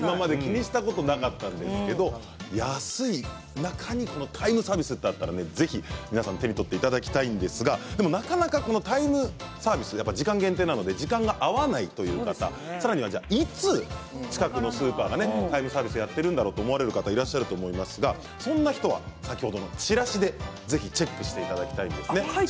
今まで気にしたことなかったんですけど安い中にタイムサービスというのがあったら、ぜひ手に取っていただきたいんですがなかなかタイムサービス時間限定なので時間が合わないという方さらにはいつ近くのスーパーがタイムサービスをやってるのかと思われる方いると思いますがそんな人は、先ほどのチラシでぜひチェックしていただきたいですね。